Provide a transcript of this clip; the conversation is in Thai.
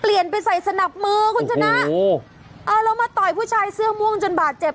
เปลี่ยนไปใส่สนับมือคุณชนะโอ้เอาแล้วมาต่อยผู้ชายเสื้อม่วงจนบาดเจ็บ